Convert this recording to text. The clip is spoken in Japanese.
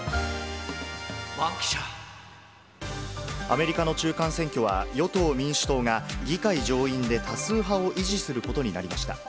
アメリカの中間選挙は、与党・民主党が議会上院で多数派を維持することになりました。